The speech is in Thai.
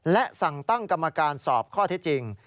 และสั่งตั้งกรรมการสอบข้อเท็จจริง